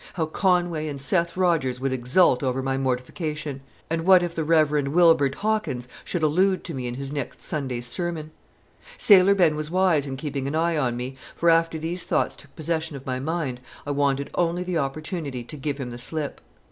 How Conway and Seth Rodgers would exult over my mortification! And what if the Rev. Wibird Hawkins should allude to me in his next Sunday's sermon? Sailor Ben was wise in keeping an eye on me, for after these thoughts took possession of my mind, I wanted only the opportunity to give him the slip.